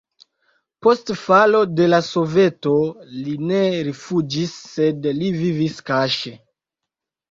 Post falo de la Soveto li ne rifuĝis, sed li vivis kaŝe.